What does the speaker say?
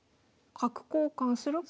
角交換するか。